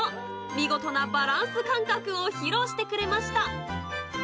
見事なバランス感覚を披露してくれました。